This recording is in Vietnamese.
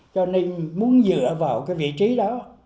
cho nên muốn dựa vào cái vị trí đó